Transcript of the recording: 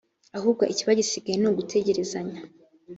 ahubwo ikiba gisigaye ni ugutegerezanya